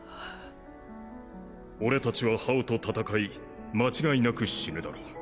俺たちはハオと戦い間違いなく死ぬだろう。